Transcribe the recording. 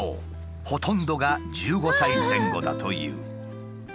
ほとんどが１５歳前後だという。